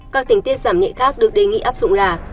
các tình tiết giảm nhẹ khác được đề nghị áp dụng là